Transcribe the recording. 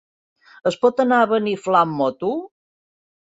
Es pot anar a Beniflà amb moto?